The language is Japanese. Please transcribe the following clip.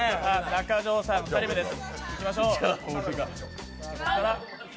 中条さん、２人目です。